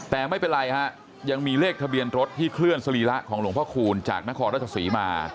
แต่ไม่เป็นไรฮะยังมีเลขทะเบียนรถที่เคลื่อนสรีระของหลวงพ่อคูณจากนครราชศรีมา